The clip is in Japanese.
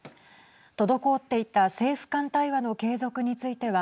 滞っていた政府間対話の継続については